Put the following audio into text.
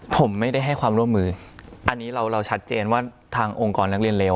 ผมไม่ได้ให้ความร่วมมืออันนี้เราชัดเจนว่าทางองค์กรนักเรียนเลว